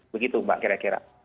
begitu mbak kira kira